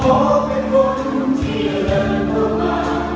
ขอเป็นคนที่จะเลิกกับเรา